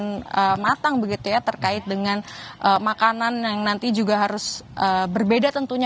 dengan persiapan lansia pada saat di tanah suci nanti ini juga sudah dipersiapkan dengan perhatiannya